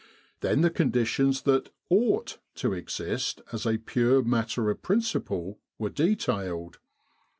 Then the conditions that ought to exist as a pure matter of principle, were detailed.